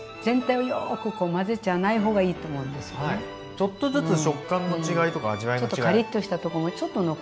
ちょっとずつ食感の違いとか味わいの違い。